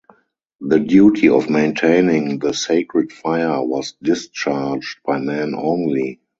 The duty of maintaining the sacred fire was discharged by men only.